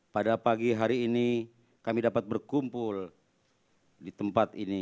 pada pagi hari ini kami dapat berkumpul di tempat ini